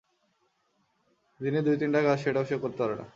দিনে দুই-তিনটা কাজ, সেটাও সে করতে পারে না।